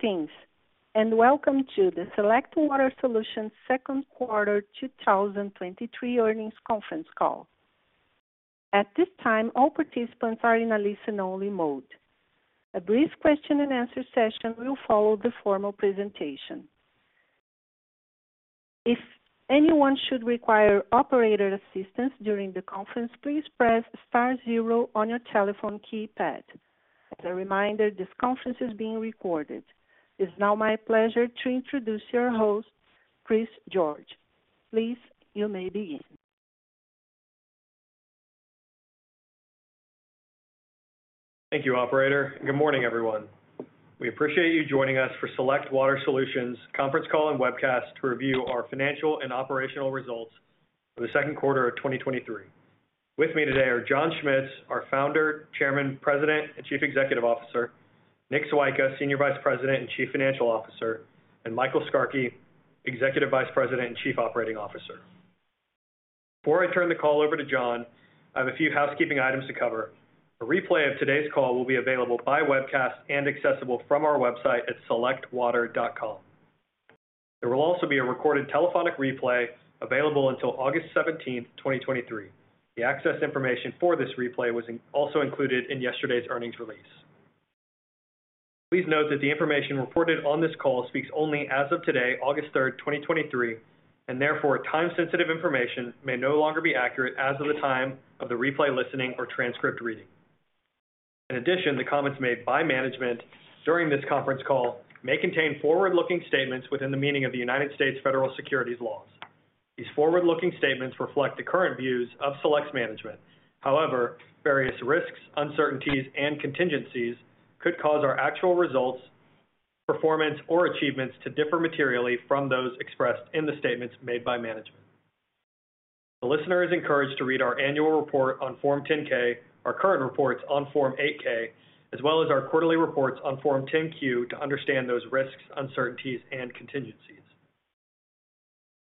Greetings, and welcome to the Select Water Solutions second quarter 2023 earnings conference call. At this time, all participants are in a listen-only mode. A brief question and answer session will follow the formal presentation. If anyone should require operator assistance during the conference, please press star zero on your telephone keypad. As a reminder, this conference is being recorded. It's now my pleasure to introduce your host, Chris George. Please, you may begin. Thank you, operator, and good morning, everyone. We appreciate you joining us for Select Water Solutions conference call and webcast to review our financial and operational results for the second quarter of 2023. With me today are John Schmitz, our Founder, Chairman, President, and Chief Executive Officer, Nick Swyka, Senior Vice President and Chief Financial Officer, and Michael Skarke, Executive Vice President and Chief Operating Officer. Before I turn the call over to John, I have a few housekeeping items to cover. A replay of today's call will be available by webcast and accessible from our website at selectwater.com. There will also be a recorded telephonic replay available until August 17th, 2023. The access information for this replay was also included in yesterday's earnings release. Please note that the information reported on this call speaks only as of today, August 3, 2023. Therefore, time-sensitive information may no longer be accurate as of the time of the replay listening or transcript reading. In addition, the comments made by management during this conference call may contain forward-looking statements within the meaning of the United States federal securities laws. These forward-looking statements reflect the current views of Select's management. Various risks, uncertainties, and contingencies could cause our actual results, performance, or achievements to differ materially from those expressed in the statements made by management. The listener is encouraged to read our annual report on Form 10-K, our current reports on Form 8-K, as well as our quarterly reports on Form 10-Q to understand those risks, uncertainties and contingencies.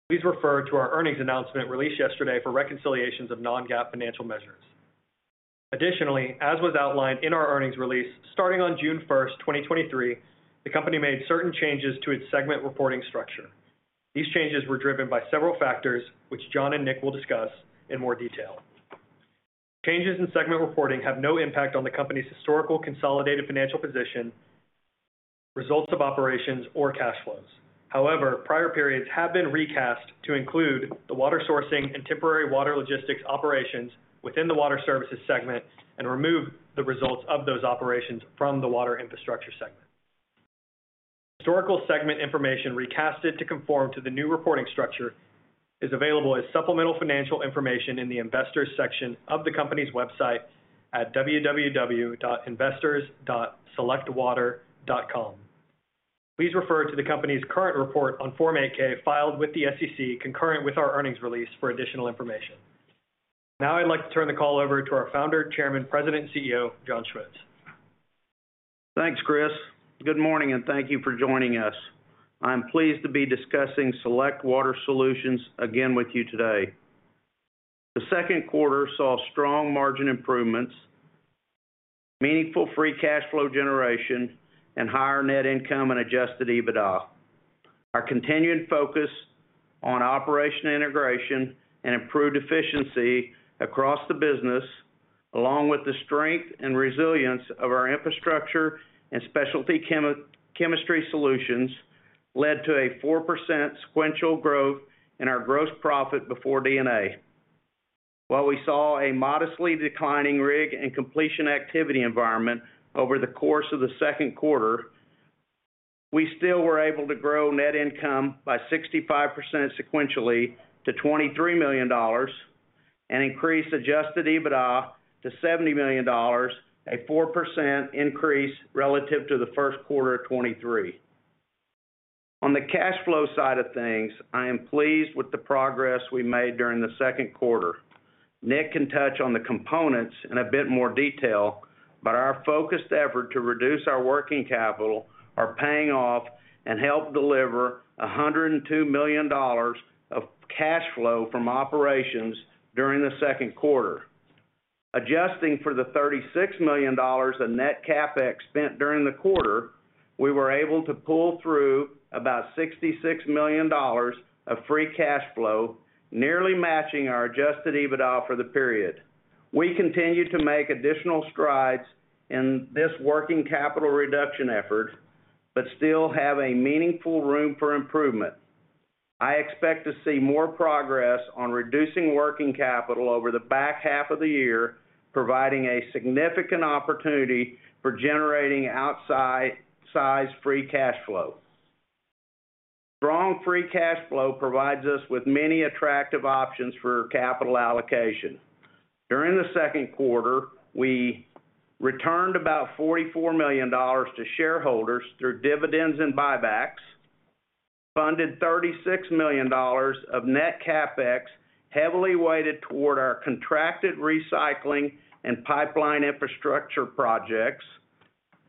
Please refer to our earnings announcement released yesterday for reconciliations of non-GAAP financial measures. Additionally, as was outlined in our earnings release, starting on June 1, 2023, the company made certain changes to its segment reporting structure. These changes were driven by several factors, which John and Nick will discuss in more detail. Changes in segment reporting have no impact on the company's historical consolidated financial position, results of operations, or cash flows. However, prior periods have been recast to include the water sourcing and temporary water logistics operations within the Water Services segment and remove the results of those operations from the Water Infrastructure segment. Historical segment information, recasted to conform to the new reporting structure, is available as supplemental financial information in the Investors section of the company's website at investors.selectwater.com. Please refer to the company's current report on Form 8-K, filed with the SEC, concurrent with our earnings release for additional information. Now, I'd like to turn the call over to our Founder, Chairman, President, and CEO, John Schmitz. Thanks, Chris. Good morning, thank you for joining us. I'm pleased to be discussing Select Water Solutions again with you today. The second quarter saw strong margin improvements, meaningful free cash flow generation, and higher net income and Adjusted EBITDA. Our continued focus on operation integration and improved efficiency across the business, along with the strength and resilience of our infrastructure and specialty chemistry solutions, led to a 4% sequential growth in our gross profit before D&A. While we saw a modestly declining rig and completion activity environment over the course of the second quarter, we still were able to grow net income by 65% sequentially to $23 million, and increase Adjusted EBITDA to $70 million, a 4% increase relative to the first quarter of 2023. On the cash flow side of things, I am pleased with the progress we made during the second quarter. Nick can touch on the components in a bit more detail, but our focused effort to reduce our working capital are paying off and helped deliver $102 million of cash flow from operations during the second quarter. Adjusting for the $36 million of net CapEx spent during the quarter, we were able to pull through about $66 million of free cash flow, nearly matching our Adjusted EBITDA for the period. We continue to make additional strides in this working capital reduction effort, but still have a meaningful room for improvement. I expect to see more progress on reducing working capital over the back half of the year, providing a significant opportunity for generating outside size free cash flow. Strong free cash flow provides us with many attractive options for capital allocation. During the second quarter, we returned about $44 million to shareholders through dividends and buybacks, funded $36 million of net CapEx, heavily weighted toward our contracted recycling and pipeline infrastructure projects,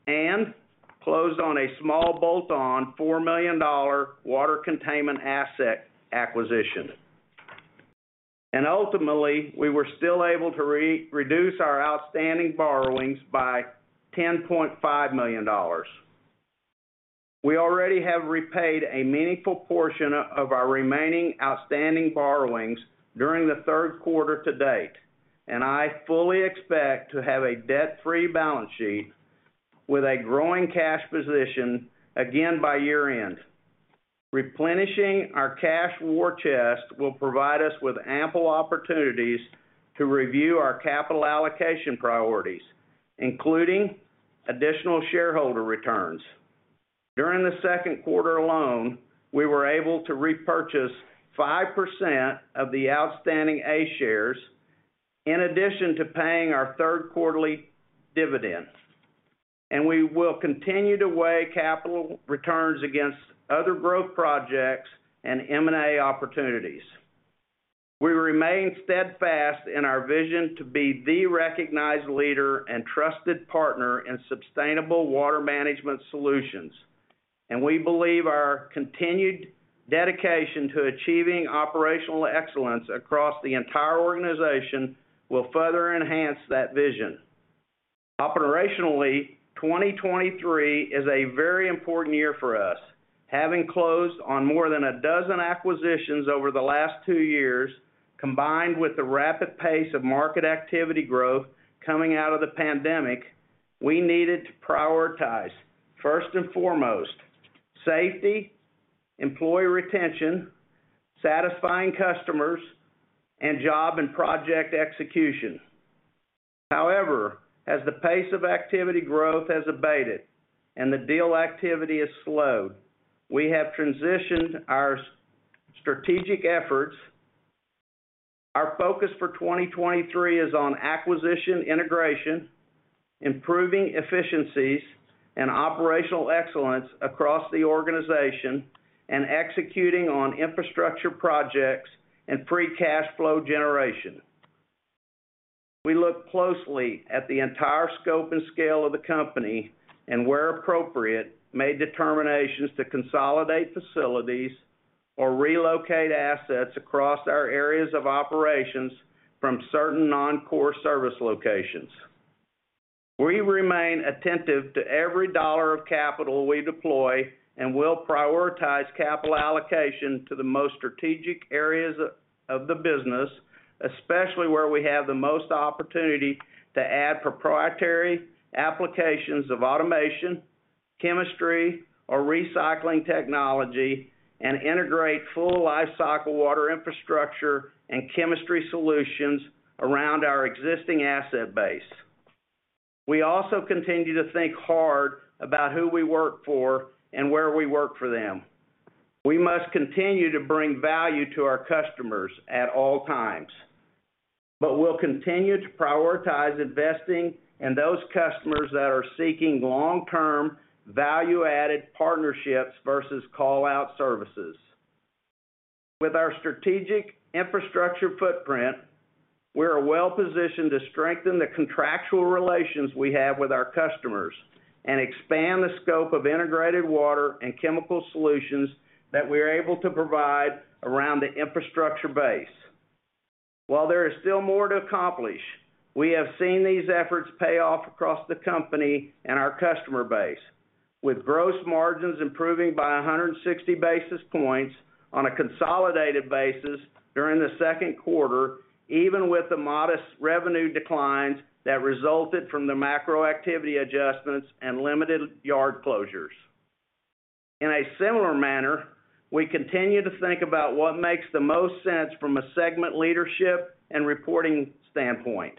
and closed on a small bolt-on, $4 million water containment asset acquisition. Ultimately, we were still able to re-reduce our outstanding borrowings by $10.5 million. We already have repaid a meaningful portion of our remaining outstanding borrowings during the third quarter to date, and I fully expect to have a debt-free balance sheet with a growing cash position again by year-end. Replenishing our cash war chest will provide us with ample opportunities to review our capital allocation priorities, including additional shareholder returns. During the second quarter alone, we were able to repurchase 5% of the outstanding A shares, in addition to paying our third quarterly dividend. We will continue to weigh capital returns against other growth projects and M&A opportunities. We remain steadfast in our vision to be the recognized leader and trusted partner in sustainable water management solutions, and we believe our continued dedication to achieving operational excellence across the entire organization will further enhance that vision. Operationally, 2023 is a very important year for us. Having closed on more than a dozen acquisitions over the last two years, combined with the rapid pace of market activity growth coming out of the pandemic, we needed to prioritize, first and foremost, safety, employee retention, satisfying customers, and job and project execution. However, as the pace of activity growth has abated and the deal activity has slowed, we have transitioned our strategic efforts. Our focus for 2023 is on acquisition integration, improving efficiencies and operational excellence across the organization, and executing on infrastructure projects and free cash flow generation. We look closely at the entire scope and scale of the company, and, where appropriate, made determinations to consolidate facilities or relocate assets across our areas of operations from certain non-core service locations. We remain attentive to every dollar of capital we deploy and will prioritize capital allocation to the most strategic areas of the business, especially where we have the most opportunity to add proprietary applications of automation, chemistry, or recycling technology, and integrate full lifecycle water infrastructure and chemistry solutions around our existing asset base. We also continue to think hard about who we work for and where we work for them. We must continue to bring value to our customers at all times, but we'll continue to prioritize investing in those customers that are seeking long-term, value-added partnerships versus call-out services. With our strategic infrastructure footprint, we are well-positioned to strengthen the contractual relations we have with our customers and expand the scope of integrated water and chemical solutions that we are able to provide around the infrastructure base. While there is still more to accomplish, we have seen these efforts pay off across the company and our customer base, with gross margins improving by 160 basis points on a consolidated basis during the second quarter, even with the modest revenue declines that resulted from the macro activity adjustments and limited yard closures. In a similar manner, we continue to think about what makes the most sense from a segment leadership and reporting standpoint.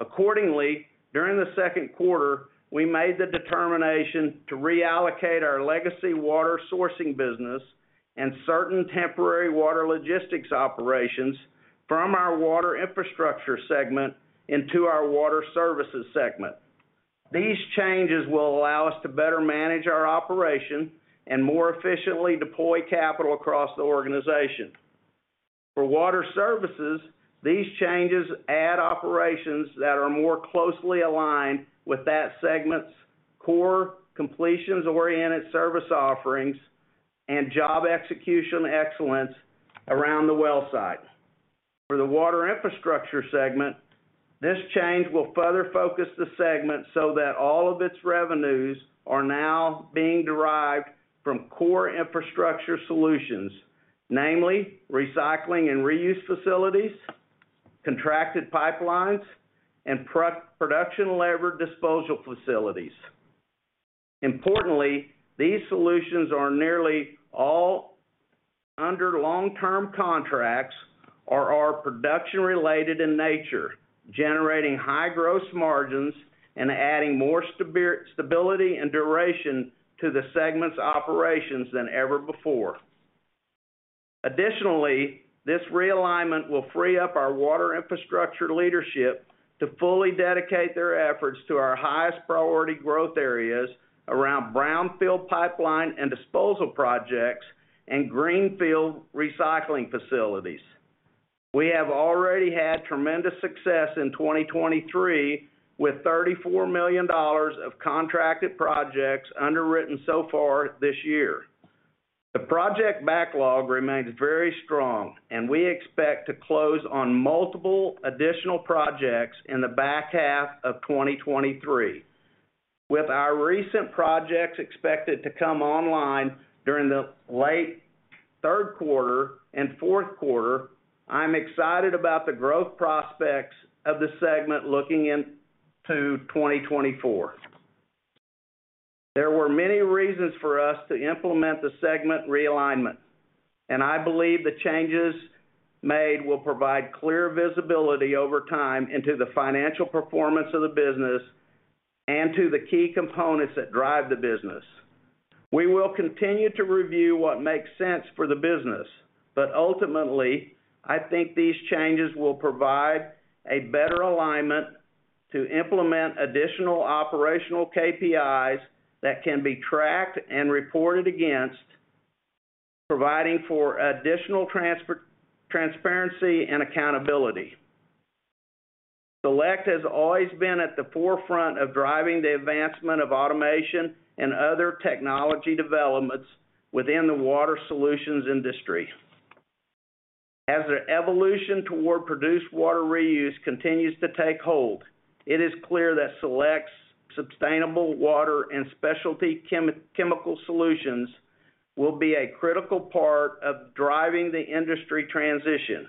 Accordingly, during the second quarter, we made the determination to reallocate our legacy water sourcing business and certain temporary water logistics operations from our Water Infrastructure segment into our Water Services segment. These changes will allow us to better manage our operation and more efficiently deploy capital across the organization. For Water Services, these changes add operations that are more closely aligned with that segment's core completions-oriented service offerings and job execution excellence around the wellsite. For the Water Infrastructure segment, this change will further focus the segment so that all of its revenues are now being derived from core infrastructure solutions, namely recycling and reuse facilities, contracted pipelines, and produced water disposal facilities. Importantly, these solutions are nearly all under long-term contracts or are production-related in nature, generating high gross margins and adding more stability and duration to the segment's operations than ever before. Additionally, this realignment will free up our Water Infrastructure leadership to fully dedicate their efforts to our highest priority growth areas around brownfield pipeline and disposal projects and greenfield recycling facilities. We have already had tremendous success in 2023, with $34 million of contracted projects underwritten so far this year. The project backlog remains very strong, and we expect to close on multiple additional projects in the back half of 2023. With our recent projects expected to come online during the late third quarter and fourth quarter, I'm excited about the growth prospects of the segment looking into 2024. There were many reasons for us to implement the segment realignment, and I believe the changes made will provide clear visibility over time into the financial performance of the business and to the key components that drive the business. We will continue to review what makes sense for the business, but ultimately, I think these changes will provide a better alignment to implement additional operational KPIs that can be tracked and reported against, providing for additional transparency and accountability. Select has always been at the forefront of driving the advancement of automation and other technology developments within the water solutions industry. As the evolution toward produced water reuse continues to take hold, it is clear that Select's sustainable water and specialty chemical solutions will be a critical part of driving the industry transition.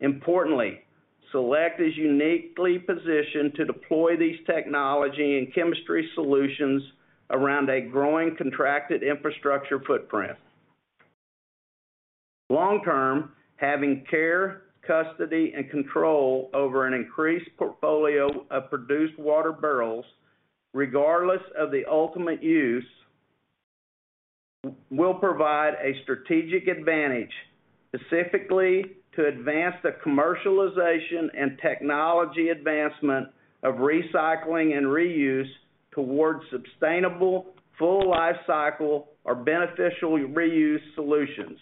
Importantly, Select is uniquely positioned to deploy these technology and chemistry solutions around a growing contracted infrastructure footprint. Long term, having care, custody, and control over an increased portfolio of produced water barrels, regardless of the ultimate use, will provide a strategic advantage, specifically to advance the commercialization and technology advancement of recycling and reuse towards sustainable, full lifecycle, or beneficial reuse solutions.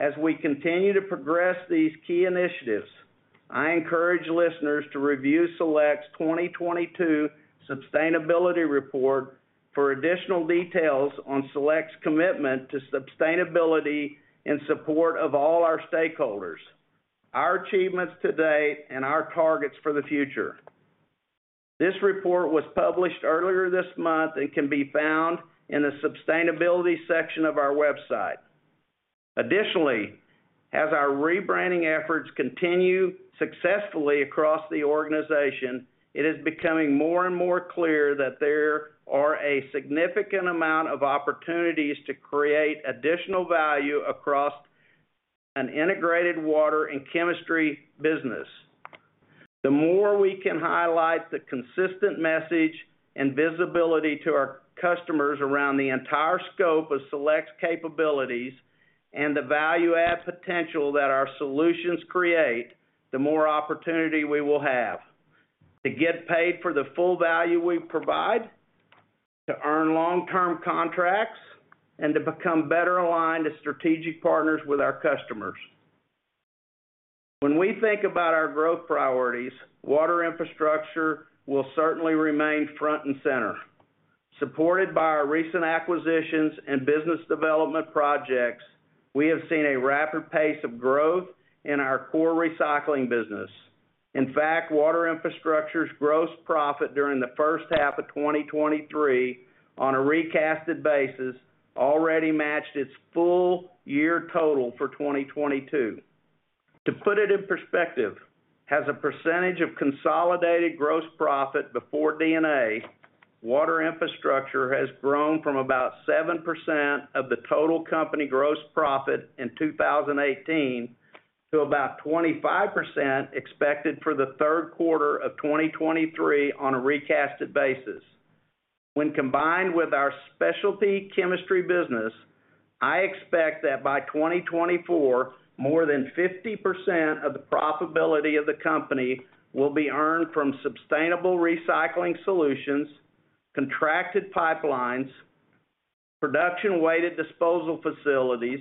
As we continue to progress these key initiatives, I encourage listeners to review Select's 2022 sustainability report for additional details on Select's commitment to sustainability in support of all our stakeholders, our achievements to date, and our targets for the future. This report was published earlier this month and can be found in the sustainability section of our website. Additionally, as our rebranding efforts continue successfully across the organization, it is becoming more and more clear that there are a significant amount of opportunities to create additional value across an integrated water and chemistry business. The more we can highlight the consistent message and visibility to our customers around the entire scope of Select's capabilities and the value-add potential that our solutions create, the more opportunity we will have to get paid for the full value we provide, to earn long-term contracts, and to become better aligned as strategic partners with our customers. When we think about our growth priorities, Water Infrastructure will certainly remain front and center. Supported by our recent acquisitions and business development projects, we have seen a rapid pace of growth in our core recycling business. In fact, Water Infrastructure's gross profit during the first half of 2023, on a recasted basis, already matched its full year total for 2022. To put it in perspective, as a percentage of consolidated gross profit before D&A, Water Infrastructure has grown from about 7% of the total company gross profit in 2018, to about 25% expected for the third quarter of 2023 on a recasted basis. When combined with our specialty chemistry business, I expect that by 2024, more than 50% of the profitability of the company will be earned from sustainable recycling solutions, contracted pipelines, production weighted disposal facilities,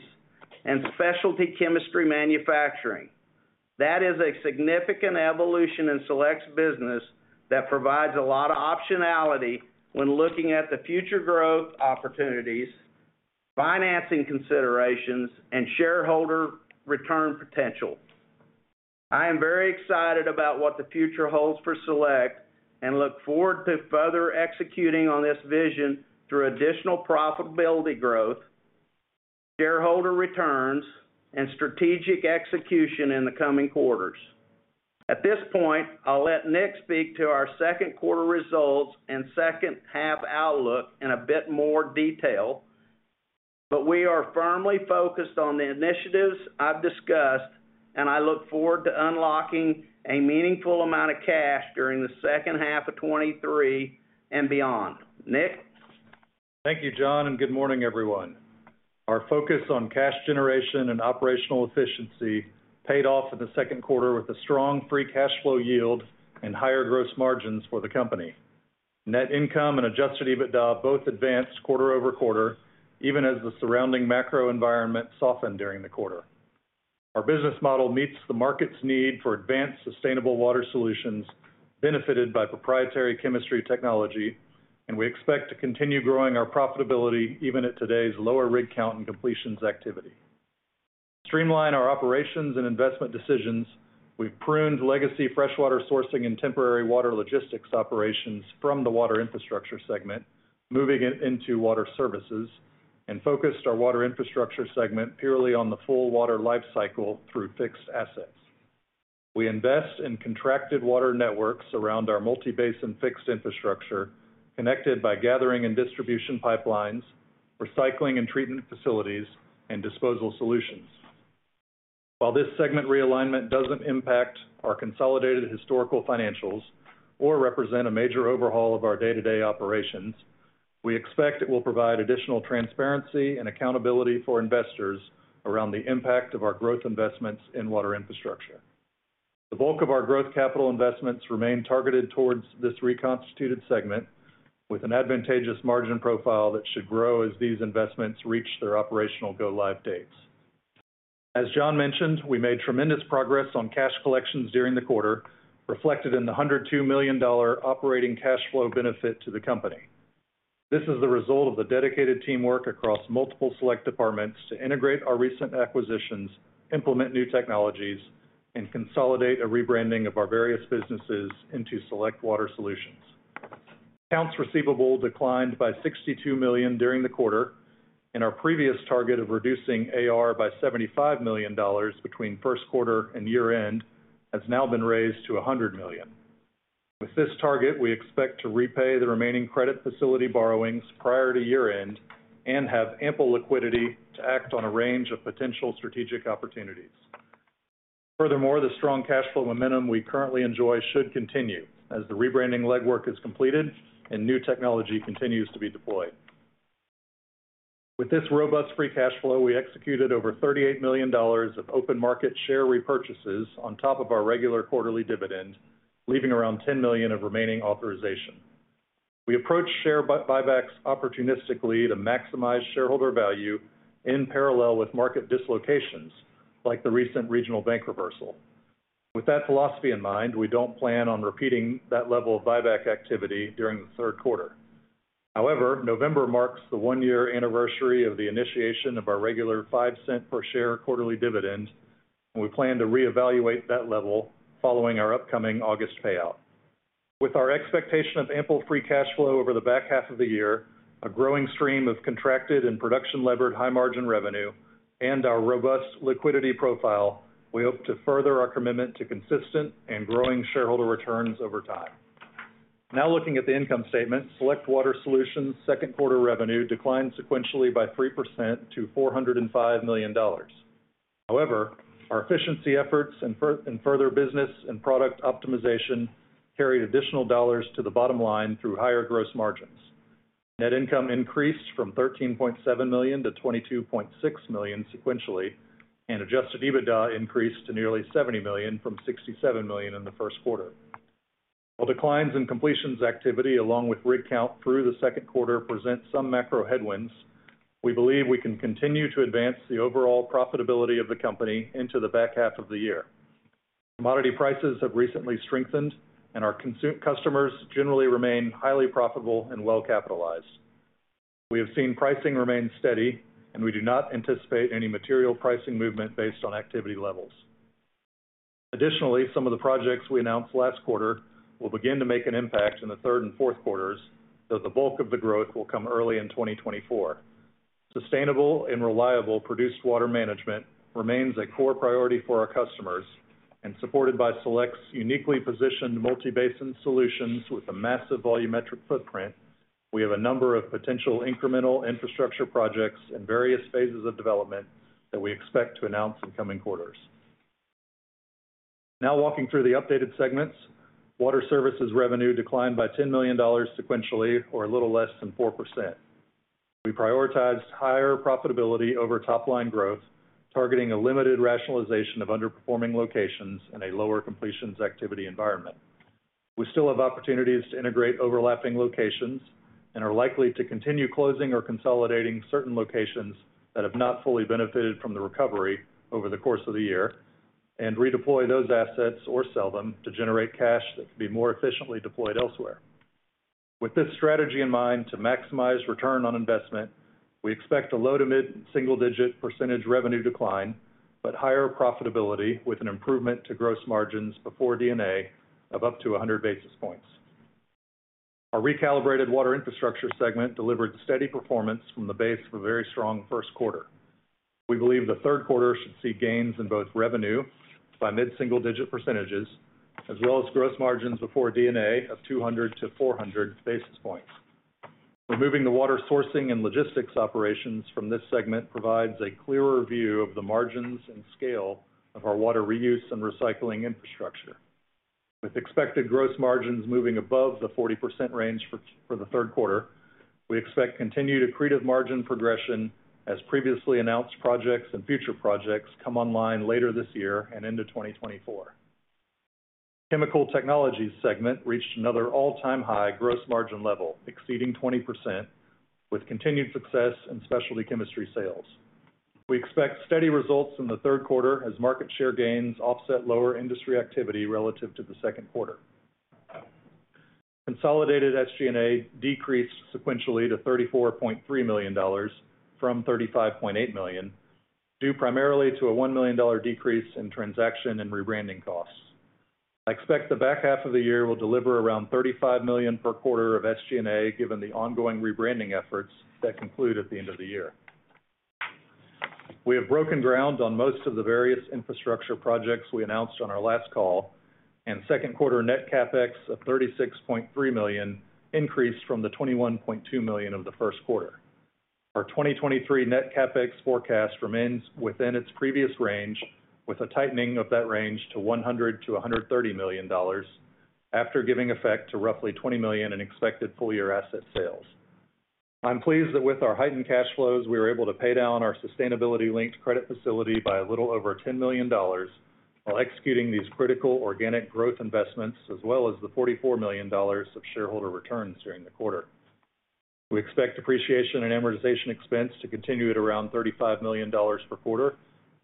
and specialty chemistry manufacturing. That is a significant evolution in Select's business that provides a lot of optionality when looking at the future growth opportunities, financing considerations, and shareholder return potential. I am very excited about what the future holds for Select and look forward to further executing on this vision through additional profitability growth, shareholder returns, and strategic execution in the coming quarters. At this point, I'll let Nick speak to our second quarter results and second half outlook in a bit more detail, but we are firmly focused on the initiatives I've discussed, and I look forward to unlocking a meaningful amount of cash during the second half of 2023 and beyond. Nick? Thank you, John, and good morning, everyone. Our focus on cash generation and operational efficiency paid off in the second quarter with a strong free cash flow yield and higher gross margins for the company. Net income and Adjusted EBITDA both advanced quarter-over-quarter, even as the surrounding macro environment softened during the quarter. Our business model meets the market's need for advanced sustainable water solutions, benefited by proprietary chemistry technology, and we expect to continue growing our profitability even at today's lower rig count and completions activity. To streamline our operations and investment decisions, we've pruned legacy freshwater sourcing and temporary water logistics operations from the Water Infrastructure segment, moving it into Water Services, and focused our Water Infrastructure segment purely on the full water lifecycle through fixed assets. We invest in contracted water networks around our multi-basin fixed infrastructure, connected by gathering and distribution pipelines, recycling and treatment facilities, and disposal solutions. While this segment realignment doesn't impact our consolidated historical financials or represent a major overhaul of our day-to-day operations, we expect it will provide additional transparency and accountability for investors around the impact of our growth investments in Water Infrastructure. The bulk of our growth capital investments remain targeted towards this reconstituted segment, with an advantageous margin profile that should grow as these investments reach their operational go-live dates. As John mentioned, we made tremendous progress on cash collections during the quarter, reflected in the $102 million operating cash flow benefit to the company. This is the result of the dedicated teamwork across multiple Select departments to integrate our recent acquisitions, implement new technologies, and consolidate a rebranding of our various businesses into Select Water Solutions. Accounts receivable declined by $62 million during the quarter, and our previous target of reducing AR by $75 million between first quarter and year-end has now been raised to $100 million. With this target, we expect to repay the remaining credit facility borrowings prior to year-end and have ample liquidity to act on a range of potential strategic opportunities. Furthermore, the strong cash flow momentum we currently enjoy should continue as the rebranding legwork is completed and new technology continues to be deployed. With this robust free cash flow, we executed over $38 million of open market share repurchases on top of our regular quarterly dividend, leaving around $10 million of remaining authorization. We approach share buybacks opportunistically to maximize shareholder value in parallel with market dislocations, like the recent regional bank reversal. With that philosophy in mind, we don't plan on repeating that level of buyback activity during the third quarter. November marks the one-year anniversary of the initiation of our regular $0.05 per share quarterly dividend, and we plan to reevaluate that level following our upcoming August payout. With our expectation of ample free cash flow over the back half of the year, a growing stream of contracted and production-levered high-margin revenue, and our robust liquidity profile, we hope to further our commitment to consistent and growing shareholder returns over time. Looking at the income statement, Select Water Solutions' second quarter revenue declined sequentially by 3% to $405 million. However, our efficiency efforts and further business and product optimization carried additional dollars to the bottom line through higher gross margins. Net income increased from $13.7 million to $22.6 million sequentially, and Adjusted EBITDA increased to nearly $70 million from $67 million in the first quarter. While declines in completions activity, along with rig count through the second quarter, present some macro headwinds, we believe we can continue to advance the overall profitability of the company into the back half of the year. Commodity prices have recently strengthened, and our customers generally remain highly profitable and well-capitalized. We have seen pricing remain steady, and we do not anticipate any material pricing movement based on activity levels. Additionally, some of the projects we announced last quarter will begin to make an impact in the third and fourth quarters, though the bulk of the growth will come early in 2024. Sustainable and reliable produced water management remains a core priority for our customers, and supported by Select's uniquely positioned multi-basin solutions with a massive volumetric footprint, we have a number of potential incremental infrastructure projects in various phases of development that we expect to announce in coming quarters. Now walking through the updated segments, Water Services revenue declined by $10 million sequentially or a little less than 4%. We prioritized higher profitability over top-line growth, targeting a limited rationalization of underperforming locations in a lower completions activity environment. We still have opportunities to integrate overlapping locations and are likely to continue closing or consolidating certain locations that have not fully benefited from the recovery over the course of the year and redeploy those assets or sell them to generate cash that can be more efficiently deployed elsewhere. With this strategy in mind, to maximize return on investment, we expect a low-to-mid single-digit % revenue decline, but higher profitability with an improvement to gross margins before D&A of up to 100 basis points. Our recalibrated Water Infrastructure segment delivered steady performance from the base of a very strong first quarter. We believe the third quarter should see gains in both revenue by mid-single-digit %, as well as gross margins before D&A of 200-400 basis points. Removing the water sourcing and logistics operations from this segment provides a clearer view of the margins and scale of our water reuse and recycling infrastructure. With expected gross margins moving above the 40% range for the third quarter, we expect continued accretive margin progression as previously announced projects and future projects come online later this year and into 2024. Chemical Technologies segment reached another all-time high gross margin level, exceeding 20%, with continued success in specialty chemistry sales. We expect steady results in the third quarter as market share gains offset lower industry activity relative to the second quarter. Consolidated SG&A decreased sequentially to $34.3 million from $35.8 million, due primarily to a $1 million decrease in transaction and rebranding costs. I expect the back half of the year will deliver around $35 million per quarter of SG&A, given the ongoing rebranding efforts that conclude at the end of the year. We have broken ground on most of the various infrastructure projects we announced on our last call. Second quarter net CapEx of $36.3 million increased from the $21.2 million of the first quarter. Our 2023 net CapEx forecast remains within its previous range, with a tightening of that range to $100 million-$130 million, after giving effect to roughly $20 million in expected full-year asset sales. I'm pleased that with our heightened cash flows, we were able to pay down our Sustainability-Linked Credit Facility by a little over $10 million, while executing these critical organic growth investments, as well as the $44 million of shareholder returns during the quarter. We expect depreciation and amortization expense to continue at around $35 million per quarter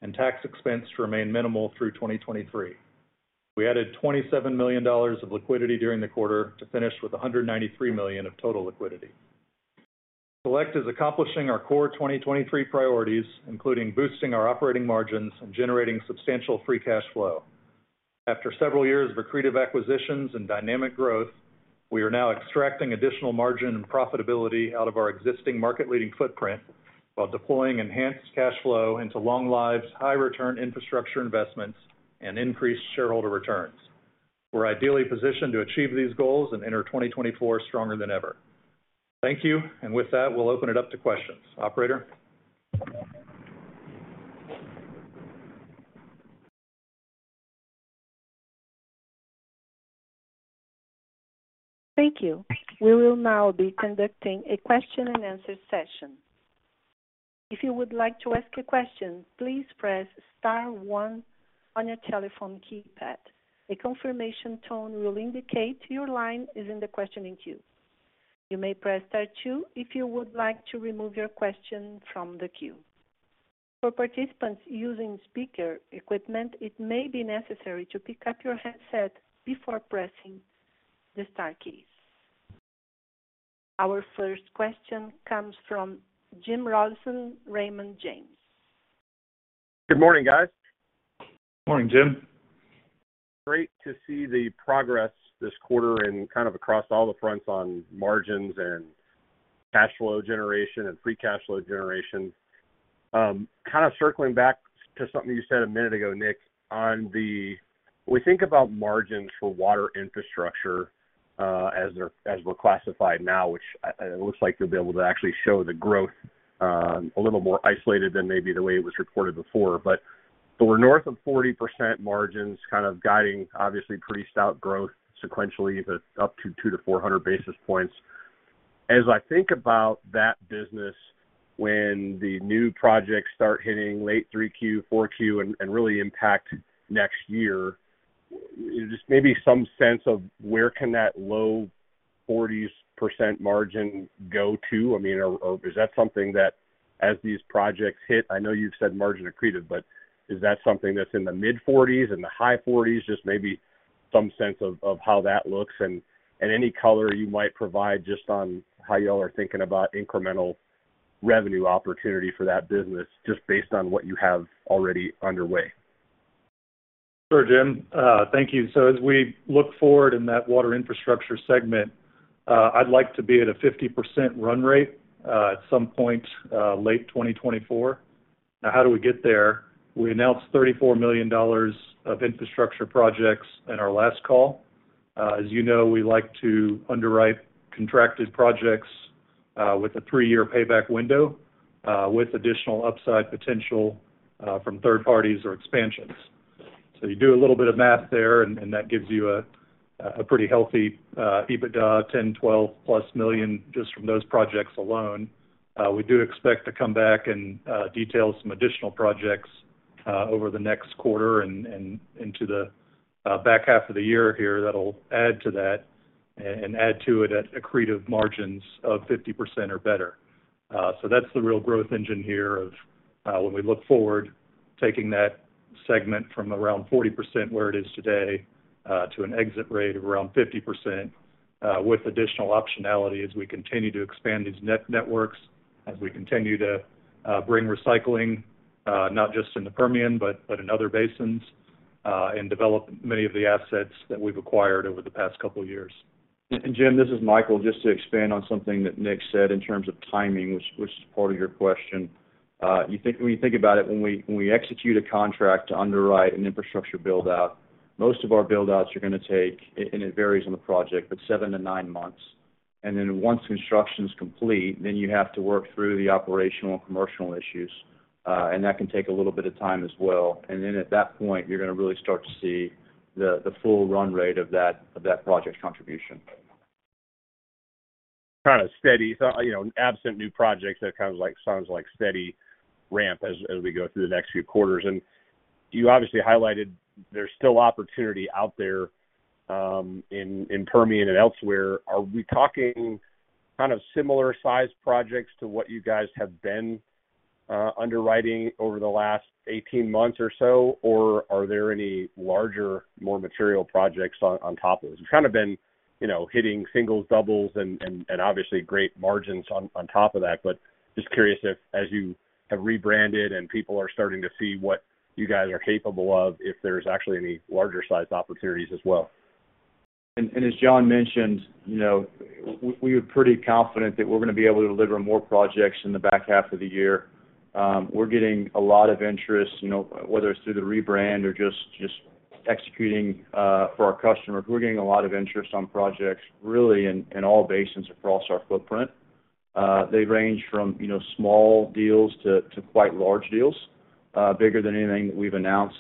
and tax expense to remain minimal through 2023. We added $27 million of liquidity during the quarter to finish with $193 million of total liquidity. Select is accomplishing our core 2023 priorities, including boosting our operating margins and generating substantial free cash flow. After several years of accretive acquisitions and dynamic growth, we are now extracting additional margin and profitability out of our existing market-leading footprint, while deploying enhanced cash flow into long lives, high-return infrastructure investments, and increased shareholder returns. We're ideally positioned to achieve these goals and enter 2024 stronger than ever. Thank you. With that, we'll open it up to questions. Operator? Thank you. We will now be conducting a question-and-answer session. If you would like to ask a question, please press star one on your telephone keypad. A confirmation tone will indicate your line is in the questioning queue. You may press star two if you would like to remove your question from the queue. For participants using speaker equipment, it may be necessary to pick up your headset before pressing the star keys. Our first question comes from Jim Rollyson, Raymond James. Good morning, guys. Morning, Jim. Great to see the progress this quarter and kind of across all the fronts on margins and cash flow generation and free cash flow generation. Circling back to something you said a minute ago, Nick, on when we think about margins for Water Infrastructure, as they're, as we're classified now, which, it looks like you'll be able to actually show the growth a little more isolated than maybe the way it was reported before. So we're north of 40% margins, kind of guiding, obviously, pretty stout growth sequentially, but up to 200-400 basis points. As I think about that business, when the new projects start hitting late 3Q, 4Q, and really impact next year, just maybe some sense of where can that low 40s% margin go to? I mean, is that something that as these projects hit, I know you've said margin accreted, but is that something that's in the mid-40s, in the high 40s? Just maybe some sense of how that looks and any color you might provide just on how y'all are thinking about incremental revenue opportunity for that business, just based on what you have already underway. Sure, Jim. Thank you. As we look forward in that Water Infrastructure segment, I'd like to be at a 50% run rate at some point late 2024. Now, how do we get there? We announced $34 million of infrastructure projects in our last call. As you know, we like to underwrite contracted projects with a three-year payback window with additional upside potential from third parties or expansions. You do a little bit of math there, and that gives you a pretty healthy EBITDA, $10 million-$12+ million, just from those projects alone. We do expect to come back and detail some additional projects over the next quarter and, and into the back half of the year here that'll add to that, and add to it at accretive margins of 50% or better. That's the real growth engine here of when we look forward, taking that segment from around 40%, where it is today, to an exit rate of around 50%, with additional optionality as we continue to expand these net networks, as we continue to bring recycling, not just in the Permian, but, but in other basins, and develop many of the assets that we've acquired over the past couple of years. Jim, this is Michael. Just to expand on something that Nick said in terms of timing, which, which is part of your question. When you think about it, when we, when we execute a contract to underwrite an infrastructure build-out, most of our build-outs are gonna take, and it varies on the project, but seven-nine months. Then once construction is complete, then you have to work through the operational commercial issues, and that can take a little bit of time as well. Then at that point, you're gonna really start to see the, the full run rate of that, of that project contribution.... kind of steady, so, you know, absent new projects, that kind of like, sounds like steady ramp as, as we go through the next few quarters. You obviously highlighted there's still opportunity out there in Permian and elsewhere. Are we talking kind of similar size projects to what you guys have been underwriting over the last 18 months or so? Are there any larger, more material projects on top of this? You've kind of been, you know, hitting singles, doubles, and, and, and obviously great margins on top of that. Just curious if as you have rebranded and people are starting to see what you guys are capable of, if there's actually any larger sized opportunities as well. As John mentioned, you know, we are pretty confident that we're going to be able to deliver more projects in the back half of the year. We're getting a lot of interest, you know, whether it's through the rebrand or just, just executing for our customers. We're getting a lot of interest on projects really in, in all basins across our footprint. They range from, you know, small deals to, to quite large deals, bigger than anything that we've announced.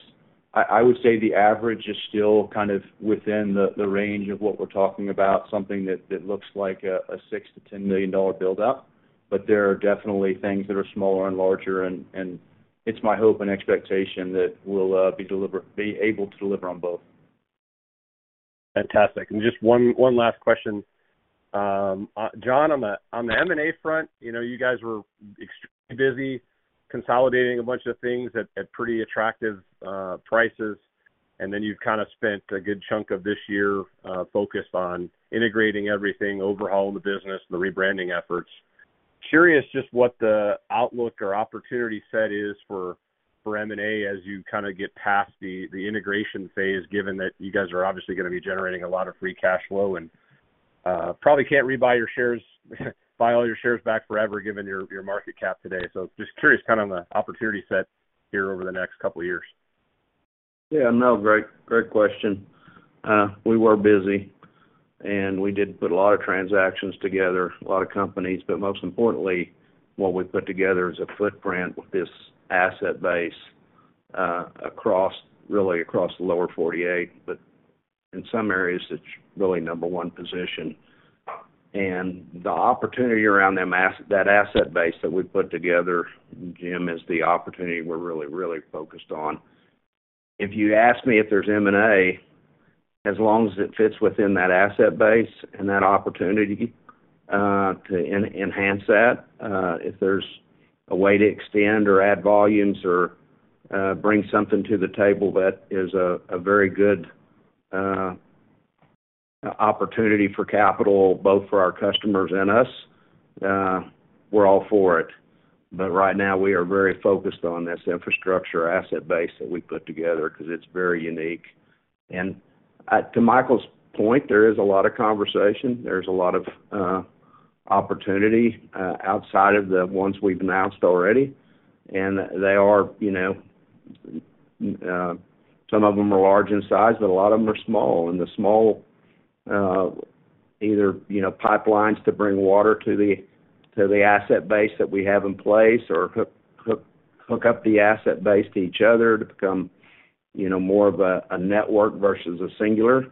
I would say the average is still kind of within the range of what we're talking about, something that looks like a $6 million-$10 million build out. There are definitely things that are smaller and larger, and it's my hope and expectation that we'll be able to deliver on both. Fantastic. Just one, one last question. John, on the, on the M&A front, you know, you guys were extremely busy consolidating a bunch of things at, at pretty attractive prices, and then you've kind of spent a good chunk of this year focused on integrating everything, overhauling the business and the rebranding efforts. Curious just what the outlook or opportunity set is for, for M&A as you kind of get past the, the integration phase, given that you guys are obviously going to be generating a lot of free cash flow and probably can't rebuy your shares, buy all your shares back forever, given your, your market cap today. Just curious, kind of on the opportunity set here over the next couple of years? Yeah, no, great, great question. We were busy, and we did put a lot of transactions together, a lot of companies. Most importantly, what we put together is a footprint with this asset base, really across the lower 48, but in some areas, it's really number one position. The opportunity around that asset base that we've put together, Jim, is the opportunity we're really, really focused on. If you ask me if there's M&A, as long as it fits within that asset base and that opportunity, to enhance that, if there's a way to extend or add volumes or, bring something to the table, that is a, a very good opportunity for capital, both for our customers and us, we're all for it. Right now, we are very focused on this infrastructure asset base that we put together because it's very unique. To Michael's point, there is a lot of conversation. There's a lot of opportunity outside of the ones we've announced already, and they are, you know, some of them are large in size, but a lot of them are small. The small, either, you know, pipelines to bring water to the asset base that we have in place or hook up the asset base to each other to become, you know, more of a network versus a singular.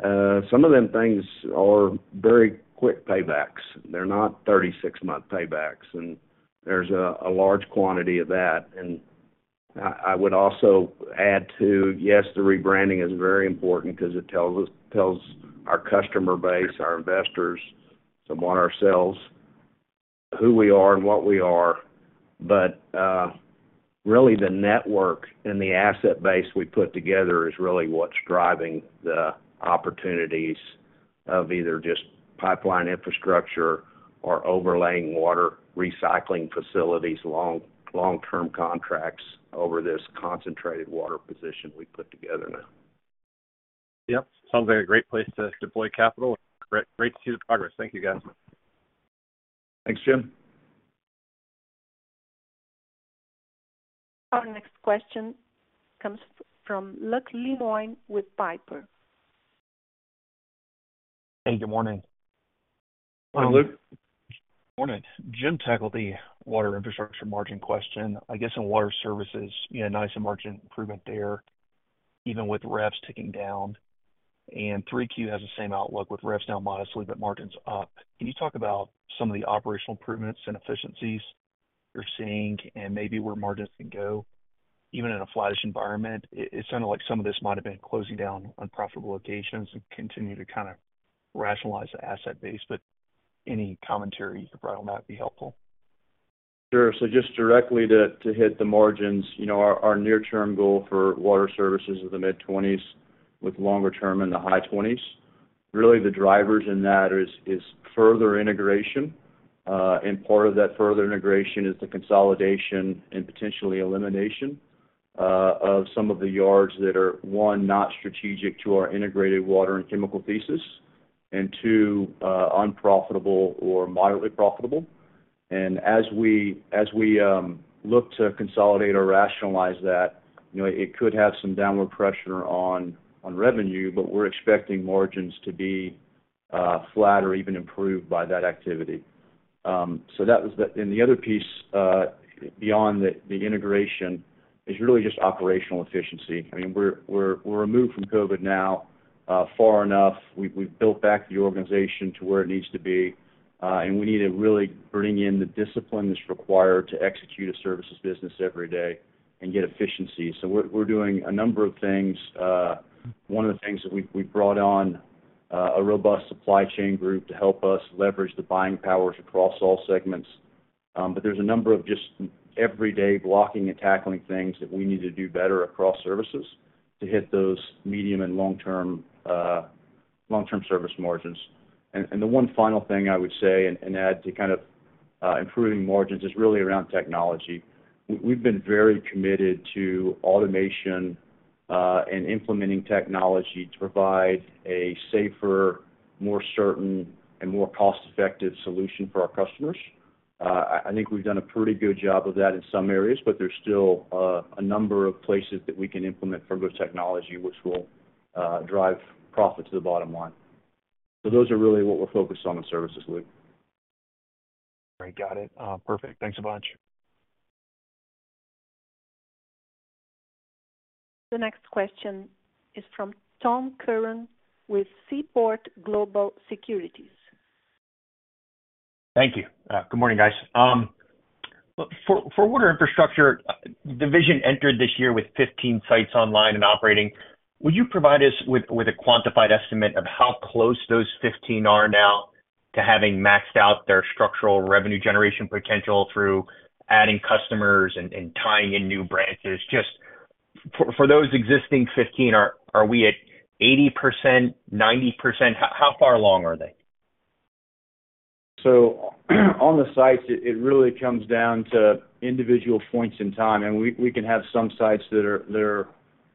Some of them things are very quick paybacks. They're not 36-month paybacks, and there's a large quantity of that. I, I would also add, too, yes, the rebranding is very important because it tells us, tells our customer base, our investors, some on ourselves, who we are and what we are. Really, the network and the asset base we put together is really what's driving the opportunities of either just pipeline infrastructure or overlaying water recycling facilities, long, long-term contracts over this concentrated water position we put together now. Yep. Sounds a very great place to deploy capital. Great, great to see the progress. Thank you, guys. Thanks, Jim. Our next question comes from Luke Lemoine with Piper. Hey, good morning. Hi, Luke. Morning. Jim, tackled the Water Infrastructure margin question. I guess, in Water Services, you had nice margin improvement there, even with reps ticking down, and 3Q has the same outlook with reps down modestly, but margins up. Can you talk about some of the operational improvements and efficiencies you're seeing and maybe where margins can go, even in a flattish environment? It, it sounded like some of this might have been closing down unprofitable locations and continue to kind of rationalize the asset base, but any commentary you could provide on that would be helpful. Sure. Just directly to, to hit the margins, you know, our, our near-term goal for Water Services is the mid-20s%, with longer term in the high 20s%. Really, the drivers in that is, is further integration. Part of that further integration is the consolidation and potentially elimination of some of the yards that are, one, not strategic to our integrated water and chemical thesis, and two, unprofitable or mildly profitable. As we, as we look to consolidate or rationalize that, you know, it could have some downward pressure on, on revenue, but we're expecting margins to be flat or even improved by that activity. That was the other piece beyond the, the integration is really just operational efficiency. I mean, we're, we're, we're removed from COVID now, far enough. We've, we've built back the organization to where it needs to be, and we need to really bring in the discipline that's required to execute a services business every day and get efficiency. We're, we're doing a number of things. One of the things that we've, we've brought on, a robust supply chain group to help us leverage the buying powers across all segments. There's a number of just everyday blocking and tackling things that we need to do better across services, to hit those medium and long-term, long-term service margins. The one final thing I would say, and, and add to kind of, improving margins, is really around technology. We- we've been very committed to automation, and implementing technology to provide a safer, more certain, and more cost-effective solution for our customers. I, I think we've done a pretty good job of that in some areas, but there's still a number of places that we can implement further technology, which will drive profit to the bottom line. Those are really what we're focused on in services, Luke. Great. Got it. perfect. Thanks a bunch. The next question is from Tom Curran with Seaport Global Securities. Thank you. Good morning, guys. For, for Water Infrastructure, division entered this year with 15 sites online and operating. Would you provide us with, with a quantified estimate of how close those 15 are now to having maxed out their structural revenue generation potential through adding customers and, and tying in new branches? Just for, for those existing 15, are, are we at 80%, 90%? How, how far along are they? On the sites, it, it really comes down to individual points in time, and we, we can have some sites that are-- that are, you know, full out at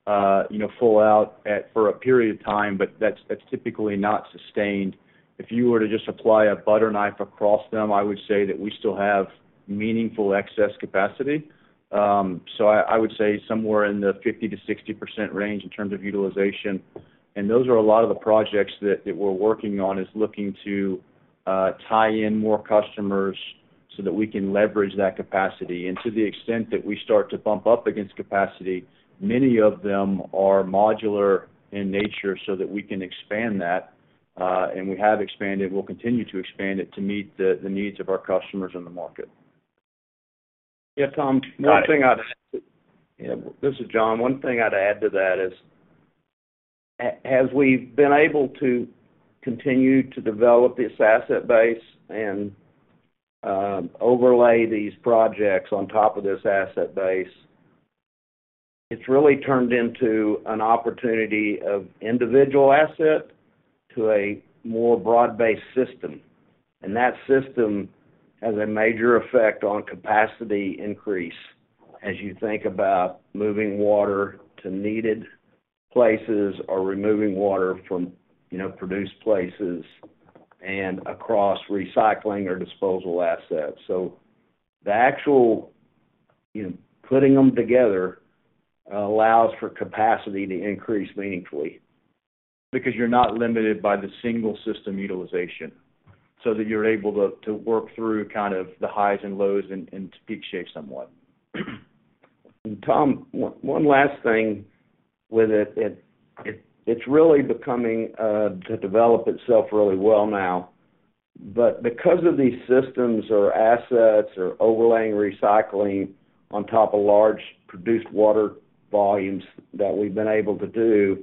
for a period of time, but that's, that's typically not sustained. If you were to just apply a butter knife across them, I would say that we still have meaningful excess capacity. I, I would say somewhere in the 50%-60% range in terms of utilization, and those are a lot of the projects that, that we're working on, is looking to tie in more customers so that we can leverage that capacity. To the extent that we start to bump up against capacity, many of them are modular in nature so that we can expand that, and we have expanded. We'll continue to expand it to meet the needs of our customers in the market. Yeah, Tom, one thing I'd add. Hi. Yeah, this is John. One thing I'd add to that is, as we've been able to continue to develop this asset base and overlay these projects on top of this asset base, it's really turned into an opportunity of individual asset to a more broad-based system. That system has a major effect on capacity increase as you think about moving water to needed places or removing water from, you know, produced places and across recycling or disposal assets. The actual, you know, putting them together, allows for capacity to increase meaningfully. You're not limited by the single system utilization, so that you're able to, to work through kind of the highs and lows and, and peak shape somewhat. Tom, one, one last thing with it. It's really becoming to develop itself really well now, but because of these systems or assets or overlaying recycling on top of large produced water volumes that we've been able to do,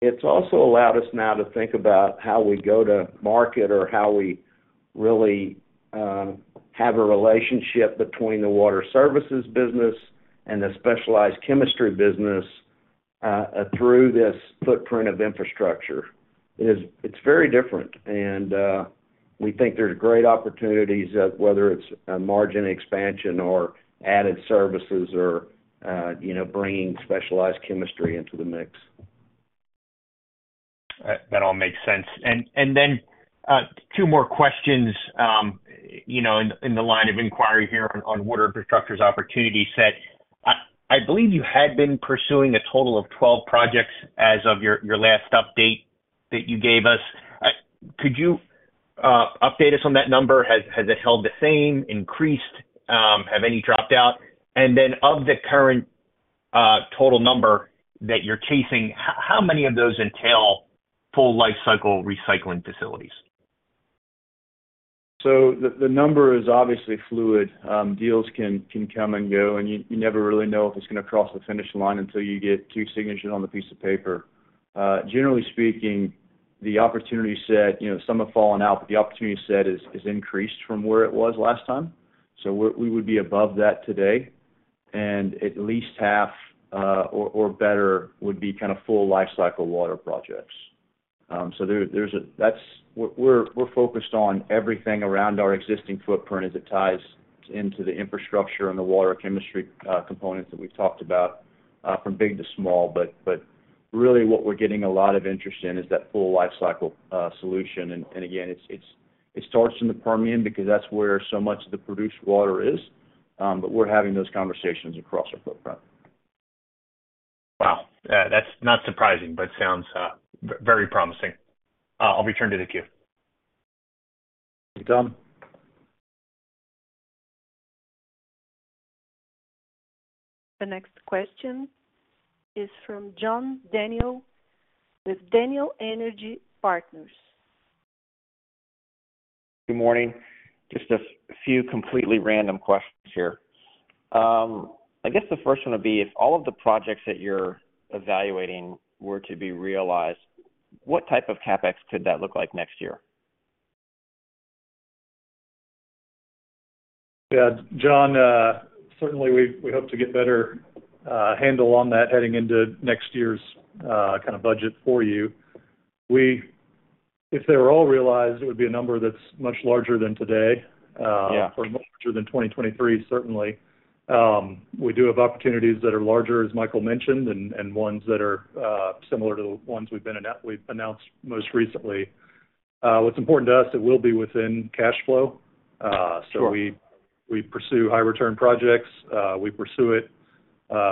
it's also allowed us now to think about how we go to market or how we really have a relationship between the Water Services business and the specialized chemistry business through this footprint of infrastructure. It's very different. We think there's great opportunities, whether it's a margin expansion or added services or, you know, bringing specialized chemistry into the mix. That all makes sense. Then, you know, in the line of inquiry here on Water Infrastructure's opportunity set. I believe you had been pursuing a total of 12 projects as of your last update that you gave us. Could you update us on that number? Has it held the same, increased? Have any dropped out? Then of the current total number that you're chasing, how many of those entail full lifecycle recycling facilities? The, the number is obviously fluid. Deals can, can come and go, and you, you never really know if it's gonna cross the finish line until you get two signatures on the piece of paper. Generally speaking, the opportunity set, you know, some have fallen out, but the opportunity set is, is increased from where it was last time. We would be above that today, and at least half, or, or better, would be kind of full lifecycle water projects. We're, we're focused on everything around our existing footprint as it ties into the infrastructure and the water chemistry, components that we've talked about, from big to small. Really what we're getting a lot of interest in is that full lifecycle solution. Again, it's, it's, it starts in the Permian because that's where so much of the produced water is, but we're having those conversations across our footprint. That's not surprising, but sounds very promising. I'll return to the queue. Thank you, Tom. The next question is from John Daniel with Daniel Energy Partners. Good morning. Just a few completely random questions here. I guess the first one would be, if all of the projects that you're evaluating were to be realized, what type of CapEx could that look like next year? Yeah, John, certainly, we, we hope to get better handle on that heading into next year's kind of budget for you. If they were all realized, it would be a number that's much larger than today. Yeah. Much larger than 2023, certainly. We do have opportunities that are larger, as Michael mentioned, and, and ones that are similar to the ones we've announced most recently. What's important to us, it will be within cash flow. Sure. We, we pursue high-return projects. We pursue it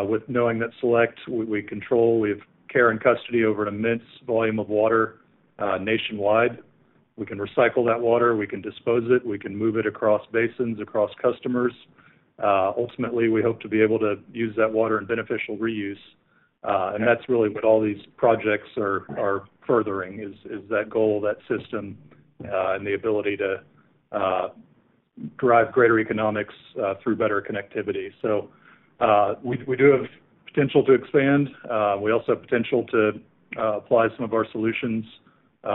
with knowing that Select, we, we control, we have care and custody over an immense volume of water nationwide. We can recycle that water, we can dispose it, we can move it across basins, across customers. Ultimately, we hope to be able to use that water in beneficial reuse. That's really what all these projects are. Right are furthering, is, is that goal, that system, and the ability to drive greater economics through better connectivity. We, we do have potential to expand. We also have potential to apply some of our solutions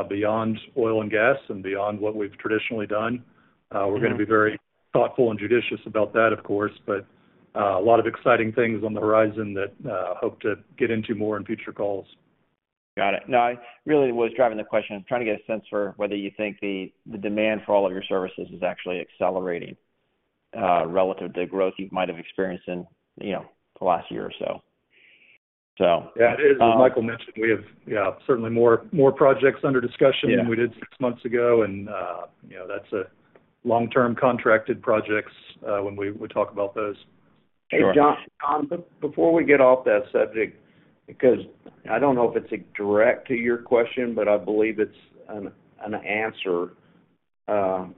beyond oil and gas and beyond what we've traditionally done. Yeah. we're gonna be very thoughtful and judicious about that, of course, but, a lot of exciting things on the horizon that, hope to get into more in future calls. Got it. I really was driving the question, trying to get a sense for whether you think the, the demand for all of your services is actually accelerating, relative to growth you might have experienced in, you know, the last year or so, so. Yeah, as Michael mentioned, we have, yeah, certainly more, more projects under discussion- Yeah... than we did 6 months ago, and, you know, that's a long-term contracted projects, when we, we talk about those. Sure. Hey, John. John, before we get off that subject, because I don't know if it's a direct to your question, but I believe it's an answer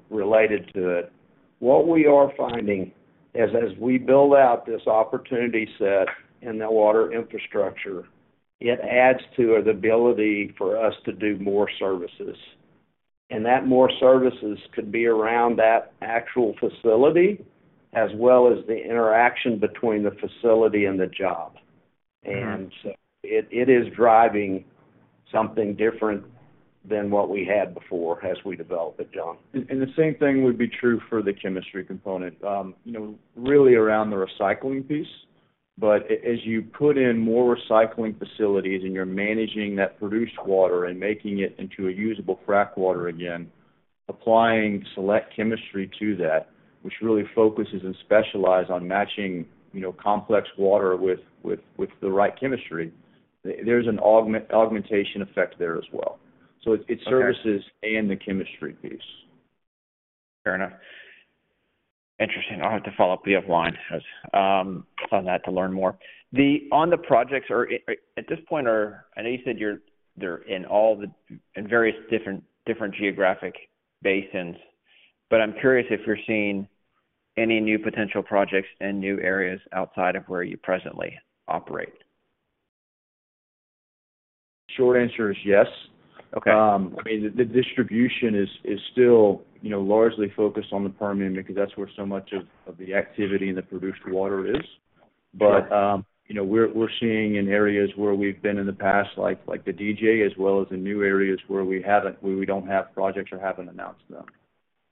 related to it. What we are finding is, as we build out this opportunity set in the Water Infrastructure, it adds to the ability for us to do more services. That more services could be around that actual facility, as well as the interaction between the facility and the job. Mm-hmm. It, it is driving something different than what we had before as we develop it, John. The same thing would be true for the chemistry component. You know, really around the recycling piece. As you put in more recycling facilities, and you're managing that produced water and making it into a usable frac water again, applying Select chemistry to that, which really focuses and specialize on matching, you know, complex water with, with, with the right chemistry, there's an augmentation effect there as well. Okay. It's services and the chemistry piece. Fair enough. Interesting. I'll have to follow up the upline as, on that to learn more. On the projects at this point, I know you said they're in all the, in various different, different geographic basins, but I'm curious if you're seeing any new potential projects in new areas outside of where you presently operate? Short answer is yes. Okay. I mean, the, the distribution is, is still, you know, largely focused on the Permian because that's where so much of, of the activity and the produced water is. Sure. You know, we're, we're seeing in areas where we've been in the past, like, like the DJ, as well as in new areas where we haven't, where we don't have projects or haven't announced them.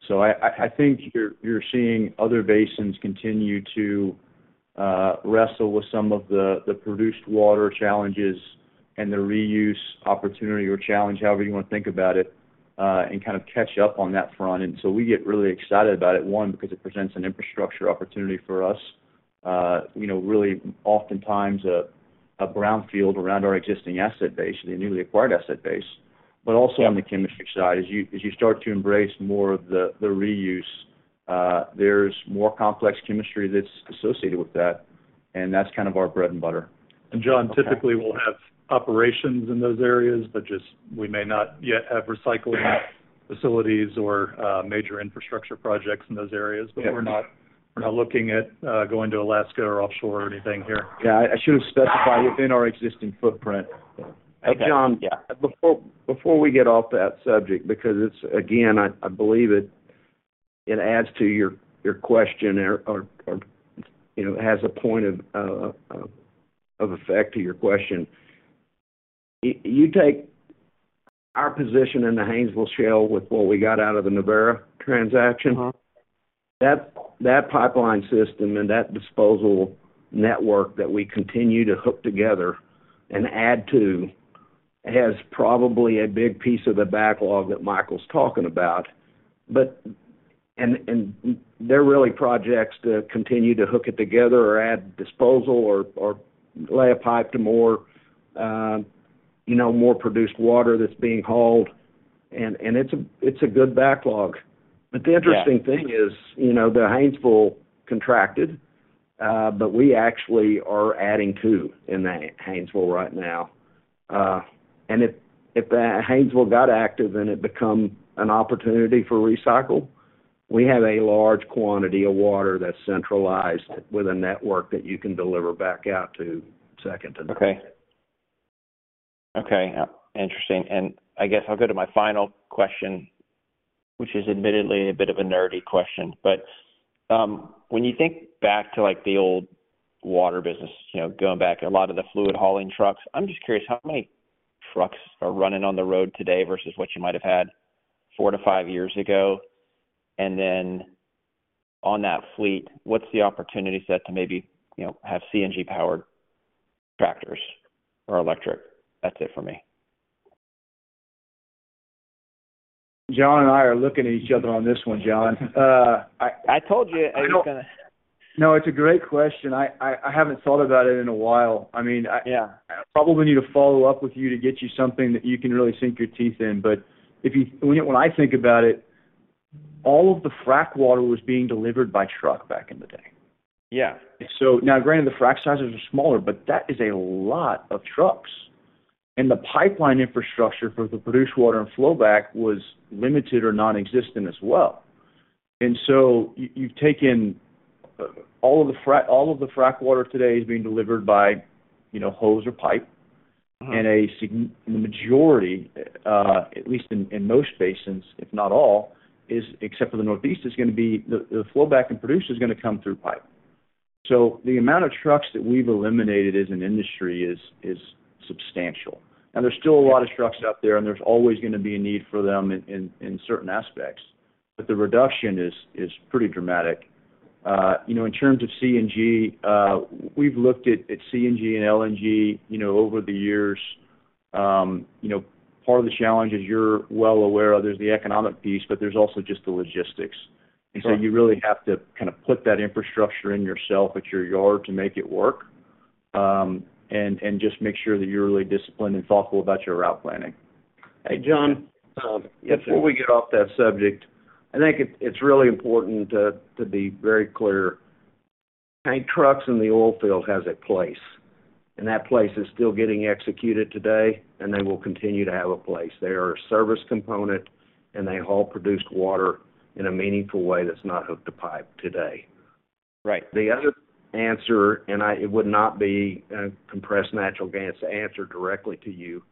I, I, I think you're, you're seeing other basins continue to wrestle with some of the, the produced water challenges and the reuse opportunity or challenge, however you want to think about it, and kind of catch up on that front. We get really excited about it, one, because it presents an infrastructure opportunity for us. You know, really, oftentimes a, a brownfield around our existing asset base, the newly acquired asset base. Yeah. Also on the chemistry side, as you, as you start to embrace more of the, the reuse, there's more complex chemistry that's associated with that, and that's kind of our bread and butter. Okay. John, typically, we'll have operations in those areas, but just we may not yet have recycling facilities or major infrastructure projects in those areas. Yeah. We're not, we're not looking at, going to Alaska or offshore or anything here. Yeah, I should have specified within our existing footprint. Okay. Yeah. Hey, John, before, before we get off that subject, because it's, again, I, I believe it, it adds to your, your question or, or, or, you know, has a point of effect to your question. You take our position in the Haynesville Shale with what we got out of the Nuverra transaction. Uh-huh. That, that pipeline system and that disposal network that we continue to hook together and add to, has probably a big piece of the backlog that Michael Skarke's talking about. They're really projects to continue to hook it together or add disposal or, or lay a pipe to more, you know, more produced water that's being hauled, and, and it's a, it's a good backlog. Yeah. The interesting thing is, you know, the Haynesville contracted, but we actually are adding two in that Haynesville right now. If the Haynesville got active and it become an opportunity for recycle, we have a large quantity of water that's centralized with a network that you can deliver back out to second to none. Okay. Okay, interesting. I guess I'll go to my final question, which is admittedly a bit of a nerdy question, but, when you think back to, like, the old water business, you know, going back, a lot of the fluid hauling trucks, I'm just curious, how many trucks are running on the road today versus what you might have had four-five years ago? Then, on that fleet, what's the opportunity set to maybe, you know, have CNG-powered tractors or electric? That's it for me. John and I are looking at each other on this one. John, I told you I was gonna. No, it's a great question. I haven't thought about it in a while. I mean, I. Yeah I probably need to follow up with you to get you something that you can really sink your teeth in. When I think about it, all of the frac water was being delivered by truck back in the day. Yeah. Now, granted, the frac sizes are smaller, but that is a lot of trucks. The pipeline infrastructure for the produced water and flowback was limited or nonexistent as well. You've taken, all of the frac water today is being delivered by, you know, hose or pipe. Uh-huh. A sign-- the majority, at least in, in most basins, if not all, is except for the Northeast, is gonna be the, the flowback and produce is gonna come through pipe. The amount of trucks that we've eliminated as an industry is, is substantial. Now, there's still a lot of trucks out there, and there's always gonna be a need for them in, in, in certain aspects, but the reduction is, is pretty dramatic. You know, in terms of CNG, we've looked at, at CNG and LNG, you know, over the years. You know, part of the challenge, as you're well aware of, there's the economic piece, but there's also just the logistics. Sure. So you really have to kind of put that infrastructure in yourself at your yard to make it work, and, and just make sure that you're really disciplined and thoughtful about your route planning. Hey, John. Yes, sir. Before we get off that subject, I think it, it's really important to, to be very clear. Tank trucks in the oilfield has a place, and that place is still getting executed today, and they will continue to have a place. They are a service component, and they haul produced water in a meaningful way that's not hooked to pipe today. Right. The other answer, it would not be compressed natural gas to answer directly to you.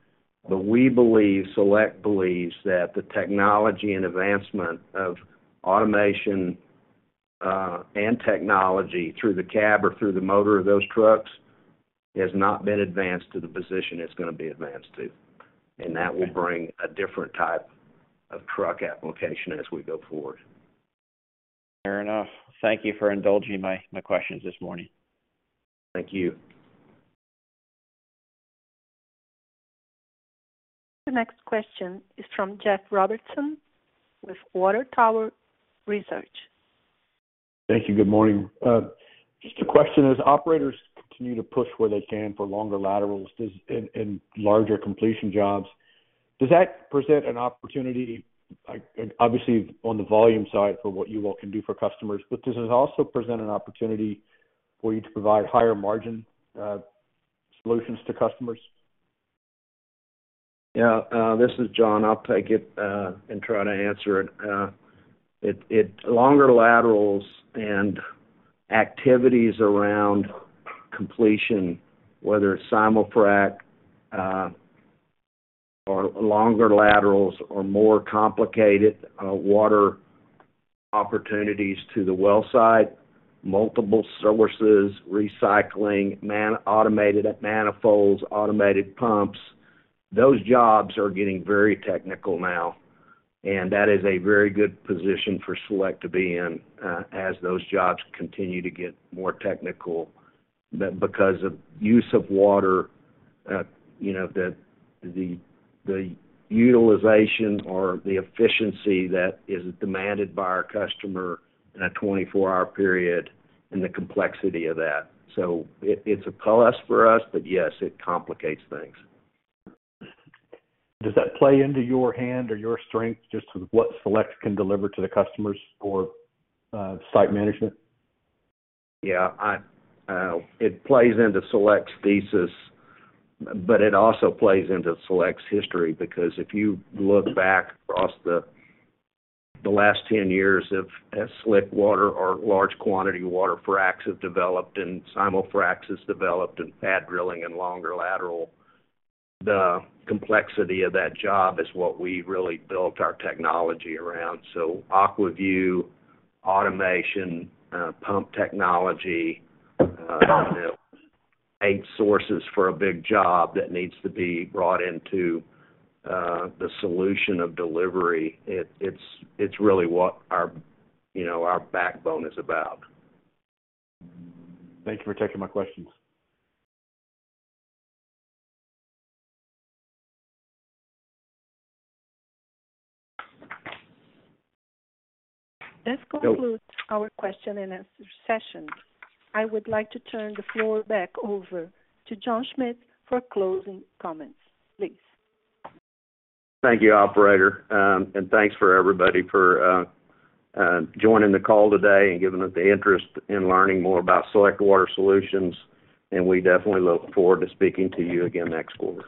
We believe, Select believes that the technology and advancement of automation and technology through the cab or through the motor of those trucks, has not been advanced to the position it's gonna be advanced to. Okay. That will bring a different type of truck application as we go forward. Fair enough. Thank you for indulging my, my questions this morning. Thank you. The next question is from Jeff Robertson with Water Tower Research. Thank you. Good morning. Just a question, as operators continue to push where they can for longer laterals and larger completion jobs, does that present an opportunity, like, and obviously on the volume side for what you all can do for customers, but does it also present an opportunity for you to provide higher margin solutions to customers? Yeah, this is John. I'll take it and try to answer it. It longer laterals and activities around completion, whether it's simul-frac, or longer laterals or more complicated water opportunities to the wellsite, multiple sources, recycling, automated manifolds, automated pumps, those jobs are getting very technical now, and that is a very good position for Select to be in as those jobs continue to get more technical. That because of use of water, you know, the, the, the utilization or the efficiency that is demanded by our customer in a 24-hour period and the complexity of that. It, it's a plus for us, but yes, it complicates things. Does that play into your hand or your strength, just with what Select can deliver to the customers for site management? Yeah, I, it plays into Select's thesis, but it also plays into Select's history, because if you look back across the, the last 10 years of, as slickwater or large quantity water fracs have developed and simul-fracs has developed and pad drilling and longer lateral, the complexity of that job is what we really built our technology around. AquaView, automation, pump technology, eight sources for a big job that needs to be brought into the solution of delivery. It's, it's really what our, you know, our backbone is about. Thank you for taking my questions. This concludes- Yep our question and answer session. I would like to turn the floor back over to John Schmitz for closing comments, please. Thank you, operator. Thanks for everybody for joining the call today and giving us the interest in learning more about Select Water Solutions, and we definitely look forward to speaking to you again next quarter.